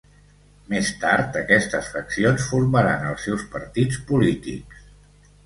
Més tard, aquestes faccions formaran els seus partits polítics.